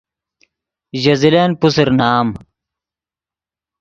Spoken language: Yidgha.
ژے زلن پوسر نام